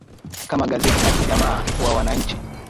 kama Gazeti la Kijamaa kwa Wananchi